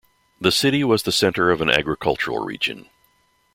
The city was the centre of an agricultural region.